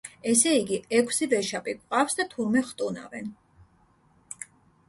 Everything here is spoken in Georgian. ესე იგი, ექვსი ვეშაპი გვყავს და თურმე ხტუნავენ.